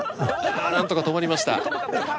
ああなんとか止まりました。